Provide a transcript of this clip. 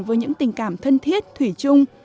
với những tình cảm thân thiết thủy chung